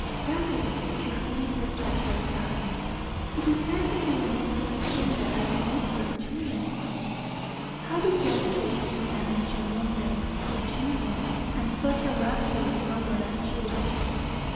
"Earle," she repeated a third time, "it is certainly an excellent thing that I do not wear chignons. How do young ladies manage, I wonder, with chignons and such a rapturous lover as you.